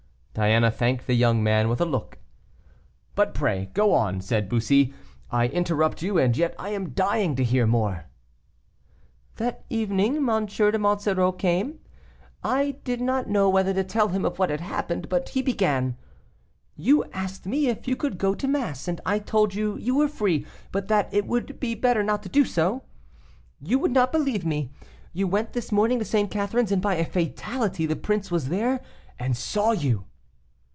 Diana thanked the young man with a look. "But pray go on," said Bussy, "I interrupt you, and yet I am dying to hear more." "That evening M. de Monsoreau came. I did not know whether to tell him of what had happened, but he began, 'You asked me if you could go to mass, and I told you you were free, but that it would be better not to do so. You would not believe me: you went this morning to St. Catherine's, and by a fatality the prince was there and saw you.